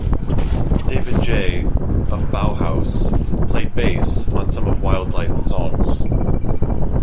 David J. of Bauhaus played bass on some of Wild Light's songs.